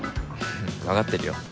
わかってるよ。